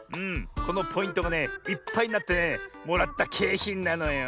このポイントがねいっぱいになってねもらったけいひんなのよ。